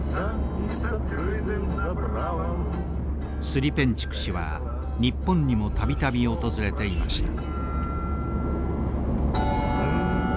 スリペンチュク氏は日本にも度々訪れていました。